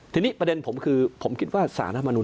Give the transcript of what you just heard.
ที่นี่ประเด็นผมคือผมคิดว่าท่านธ๑๐๒